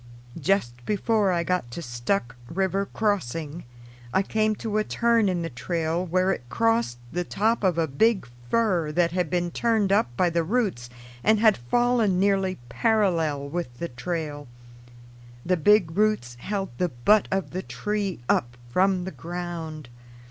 Just before I got to Stuck River crossing I came to a turn in the trail where it crossed the top of a big fir that had been turned up by the roots and had fallen nearly parallel with the trail. The big roots held the butt of the tree up from the ground.